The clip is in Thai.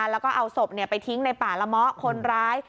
แล้วก็เอาศพไปทิ้งในป่าละเมาะคนร้าย